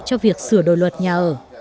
cho việc sửa đổi luật nhà ở